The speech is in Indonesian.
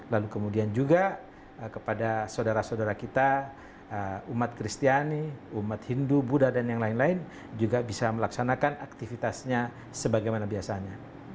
lalu kemudian juga kepada saudara saudara kita umat kristiani umat hindu buddha dan yang lain lain juga bisa melaksanakan aktivitasnya sebagaimana biasanya